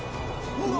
うわ。